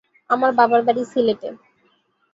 আমার বাবার বাড়ি সিলেটে।